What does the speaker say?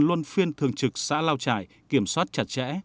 luôn phiên thường trực xã lao trải kiểm soát chặt chẽ